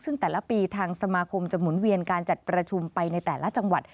ซึ่งแต่ละปีทางสมาคมจะหมุนเวียนการจัดประชุมไปในแต่ละจังหวัด